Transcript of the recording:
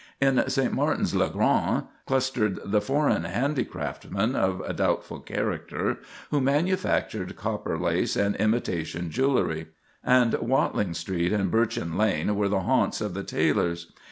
In St. Martin's le Grand clustered the foreign handicraftsmen of doubtful character, who manufactured copper lace and imitation jewellery; and Watling Street and Birchin Lane were the haunts of the tailors.